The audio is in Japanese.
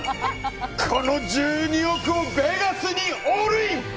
この１２億をべガスにオールイン！